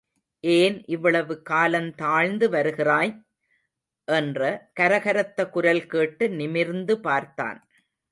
ஏன் இவ்வளவு காலந் தாழ்ந்து வருகிறாய்? என்ற கரகரத்த குரல் கேட்டு நிமிர்ந்து பார்த்தான்.